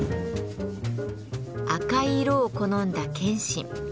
赤い色を好んだ謙信。